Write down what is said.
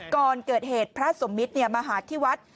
ก่อนเกิดเหตุพระสมมิตรมาหาที่วัด